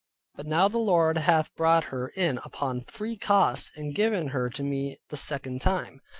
But now the Lord hath brought her in upon free cost, and given her to me the second time.